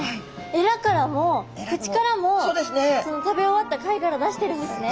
エラからも口からも食べ終わった貝殻出してるんですね。